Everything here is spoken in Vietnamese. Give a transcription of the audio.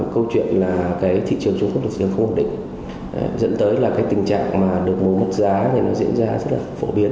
câu chuyện là thị trường trung quốc không ổn định dẫn tới tình trạng được mua mất giá diễn ra rất phổ biến